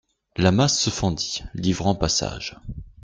La masse se fendit, livrant passage.